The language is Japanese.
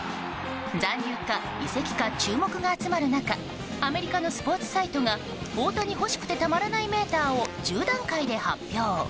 残留か移籍か注目が集まる中アメリカのスポーツサイトが大谷欲しくてたまらないメーターを１０段階で発表。